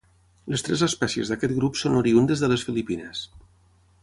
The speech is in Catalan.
Les tres espècies d'aquest grup són oriündes de les Filipines.